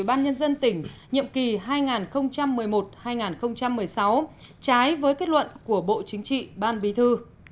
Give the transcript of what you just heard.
ủy ban nhân dân tỉnh nhiệm kỳ hai nghìn một mươi một hai nghìn một mươi sáu trái với kết luận của bộ chính trị ban bí thư